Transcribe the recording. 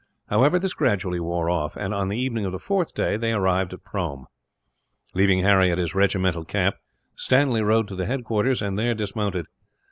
However, this gradually wore off and, on the evening of the fourth day, they arrived at Prome. Leaving Harry at his regimental camp, Stanley rode to the headquarters, and there dismounted.